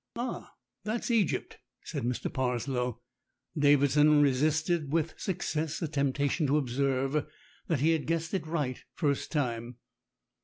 "Ah, that's Egypt," said Mr. Parslow. Davidson resisted with success a temptation to observe that he had guessed it right first time.